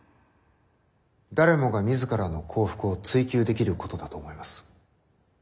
誰もが自らの幸福を追求できることだと思います。